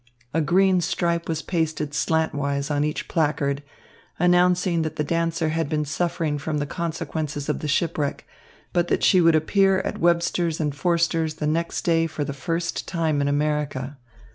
A green stripe was pasted slantwise on each placard, announcing that the dancer had been suffering from the consequences of the shipwreck, but that she would appear at Webster and Forster's the next day for the first time in America.